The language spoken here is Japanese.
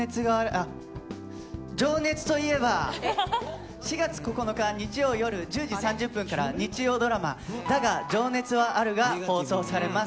あっ、情熱といえば、４月９日日曜夜１０時３０分から、日曜ドラマ、だが、情熱はあるが放送されます。